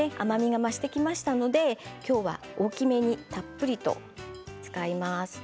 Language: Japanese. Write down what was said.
ねぎはとても甘みが増してきましたので、今日は大きめにたっぷりと使います。